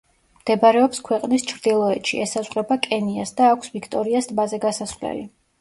მდებარეობს ქვეყნის ჩრდილოეთში, ესაზღვრება კენიას და აქვს ვიქტორიას ტბაზე გასასვლელი.